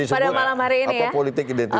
pada malam hari ini ya apa politik identitas